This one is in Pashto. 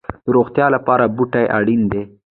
د روغتیا لپاره بوټي اړین دي